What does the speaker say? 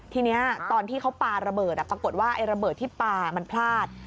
ทีนี้ตอนที่เขาปลาระเบิดปรากฏว่าไอ้ระเบิดที่ปลามันพลาด